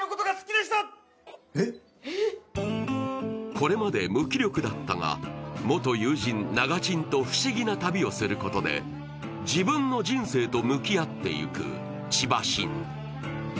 これまで無気力だったが元友人・ながちんと不思議な旅をすることで自分の人生と向き合っていくちばしん。